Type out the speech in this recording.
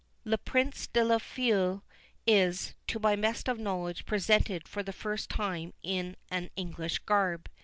Le Prince des Feuilles is, to the best of my knowledge, presented for the first time in an English garb.